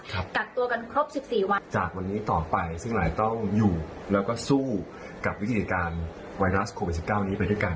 กักตัวกันครบสิบสี่วันจากวันนี้ต่อไปซึ่งเราต้องอยู่แล้วก็สู้กับวิธีการไวรัสโควิดสิบเก้านี้ไปด้วยกัน